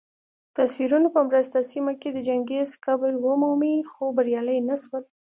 دتصویرونو په مرسته سیمه کي د چنګیز قبر ومومي خو بریالي نه سول